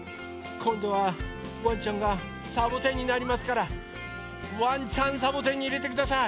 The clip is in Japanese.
こんどはワンちゃんがサボテンになりますからワンちゃんサボテンにいれてください。